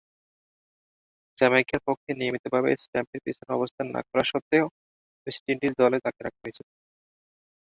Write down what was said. জ্যামাইকার পক্ষে নিয়মিতভাবে স্ট্যাম্পের পিছনে অবস্থান না করা সত্ত্বেও ওয়েস্ট ইন্ডিজ দলে তাকে রাখা হয়েছিল।